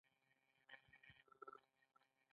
هغه لویه زغره په تن کړه.